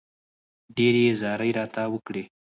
ډېرې زارۍ راته وکړې.